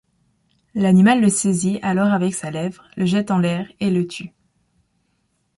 L'animal le saisit alors avec sa lèvre, le jette en l'air et le tue.